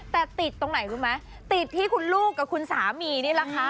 แต่ติดตรงไหนรู้ไหมติดที่คุณลูกกับคุณสามีนี่แหละค่ะ